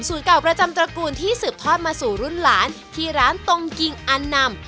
เก่าประจำตระกูลที่สืบทอดมาสู่รุ่นหลานที่ร้านตรงกิงอันนำ